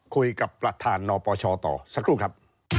คุยกับประธานนปชต่อสักครู่ครับ